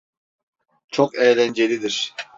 Çok eğlencelidir.